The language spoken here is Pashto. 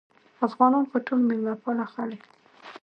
افغانان خو ټول مېلمه پاله خلک دي